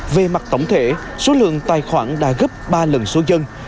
về mặt tổng thể số lượng tài khoản đã gấp ba lần số dân